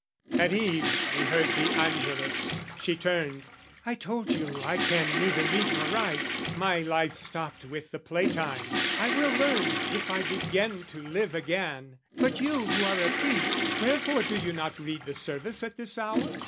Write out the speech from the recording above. " At eve we heard the angelus: she turned "I told you I can neither read nor write. "My life stopped with the play time; I will learn, "If I begin to live again: but you "Who are a priest wherefore do you not read "The service at this hour?